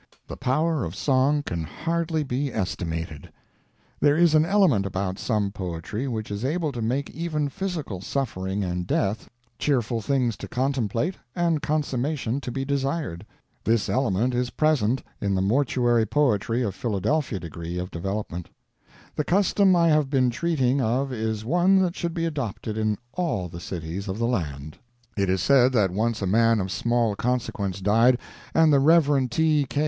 The power of song can hardly be estimated. There is an element about some poetry which is able to make even physical suffering and death cheerful things to contemplate and consummations to be desired. This element is present in the mortuary poetry of Philadelphia, and in a noticeable degree of development. The custom I have been treating of is one that should be adopted in all the cities of the land. It is said that once a man of small consequence died, and the Rev. T. K.